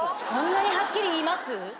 そんなにはっきり言います？